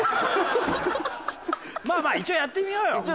まあまあ一応やってみようよ。